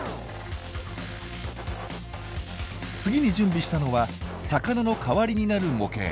次に準備したのは魚の代わりになる模型。